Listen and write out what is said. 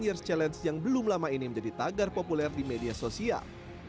years challenge yang belum lama ini menjadi tagar populer di media sosial